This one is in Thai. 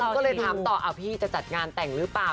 ก็เลยถามต่อพี่จะจัดงานแต่งหรือเปล่า